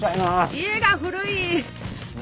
家が古い！